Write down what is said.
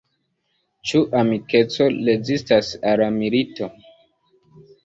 Ĉu amikeco rezistas al milito?